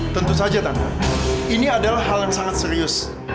tentu saja ini adalah hal yang sangat serius